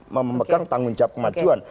memegang tanggung jawab kemajuan